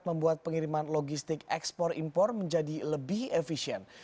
membuat pengiriman logistik ekspor impor menjadi lebih efisien